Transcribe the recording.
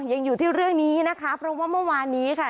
ยังอยู่ที่เรื่องนี้นะคะเพราะว่าเมื่อวานนี้ค่ะ